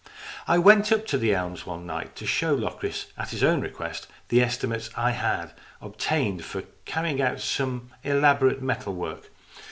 I went up to "The Elms" one night to show Locris, at his own request, the estimates I had obtained for carrying out some elaborate metal work.